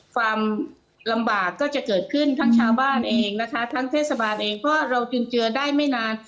ความลำบากก็จะเกิดขึ้นทั้งชาวบ้านเองนะคะทั้งเทศบาลเองเพราะเราจึงเจอได้ไม่นาน